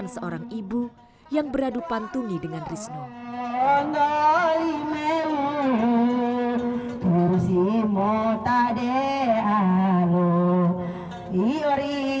saya hidupnya juga pada saat risno tampil di pasar bugis di gorontalo ini